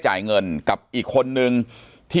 ปากกับภาคภูมิ